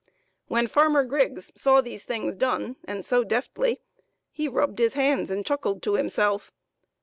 When Farmer Griggs saw these things done, and so .deftly, he rubbed his hands and chuckled to himself.